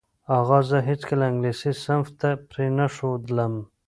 اغا زه هیڅکله انګلیسي صنف ته پرې نه ښودلم.